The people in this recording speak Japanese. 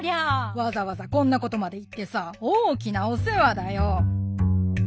わざわざこんなことまで言ってさ大きなお世話だよ！